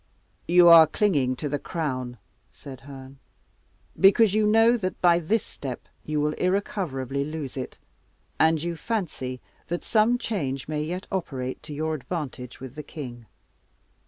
"You are clinging to the crown," said Herne, "because you know that by this step you will irrecoverably lose it. And you fancy that some change may yet operate to your advantage with the king.